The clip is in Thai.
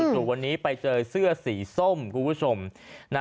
จู่วันนี้ไปเจอเสื้อสีส้มคุณผู้ชมนะ